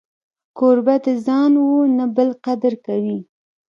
کوربه د ځان و نه بل قدر کوي.